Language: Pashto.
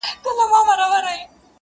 جاله هم سوله پر خپل لوري روانه-